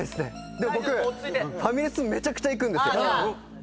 でも僕ファミレスめちゃくちゃ行くんですよ。